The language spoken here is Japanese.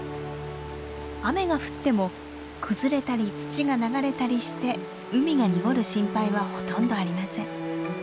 雨が降っても崩れたり土が流れたりして海が濁る心配はほとんどありません。